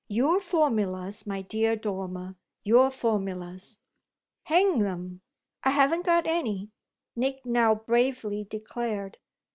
Your formulas, my dear Dormer, your formulas!" "Hang 'em, I haven't got any!" Nick now bravely declared.